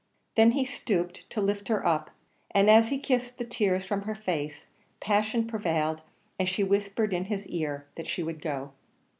Then he stooped to lift her up, and as he kissed the tears from her face, passion prevailed, and she whispered in his ear that she would go.